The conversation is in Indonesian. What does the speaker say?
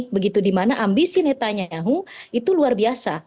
begitu di mana ambisi netanyahu itu luar biasa